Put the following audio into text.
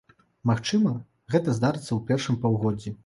Магчыма, гэта здарыцца ў першым паўгоддзі.